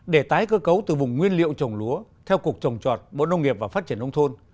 để tái cơ cấu từ vùng nguyên liệu trồng lúa theo cục trồng trọt bộ nông nghiệp và phát triển nông thôn